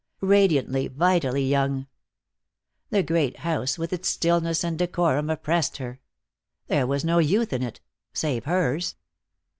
Radiantly, vitally young. The great house, with its stillness and decorum, oppressed her. There was no youth in it, save hers.